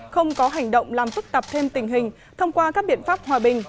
không có hành động làm phức tạp thêm tình hình thông qua các biện pháp hòa bình